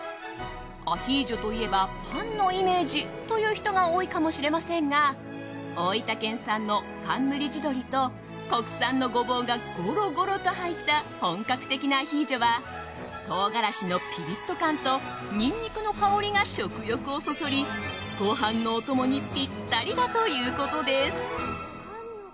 アヒージョといえばパンのイメージという人が多いかもしれませんが大分県産の冠地どりと国産のゴボウがゴロゴロと入った本格的なアヒージョは唐辛子のピリッと感とニンニクの香りが食欲をそそりご飯のお供にぴったりだということです。